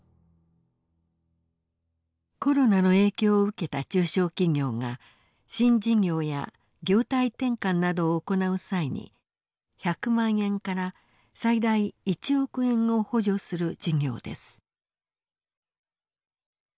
コロナの影響を受けた中小企業が新事業や業態転換などを行う際に１００万円から最大１億円を補助する事業です。